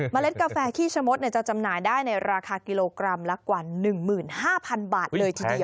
เล็ดกาแฟขี้ชะมดจะจำหน่ายได้ในราคากิโลกรัมละกว่า๑๕๐๐๐บาทเลยทีเดียว